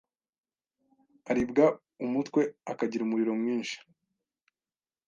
aribwa umutwe, akagira umuriro mwinshi,